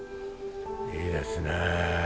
いいですね。